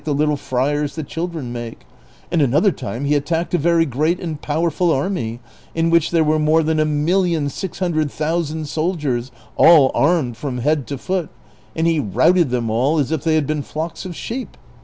pods like tlae little friars the children make ;^ and another time he attacked a very great and powerful army, in which there were more than a million six hundred thousand soldiers, all armed from head to foot, and he routed them all as if they had been flocks of sheep.